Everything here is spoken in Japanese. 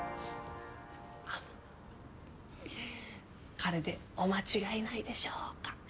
彼でお間違いないでしょうか？